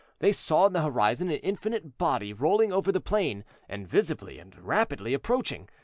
They saw in the horizon an infinite body rolling over the plain, and visibly and rapidly approaching.